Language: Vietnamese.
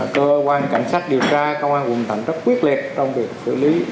cơ quan cảnh sát điều tra công an quận thành rất quyết liệt trong việc xử lý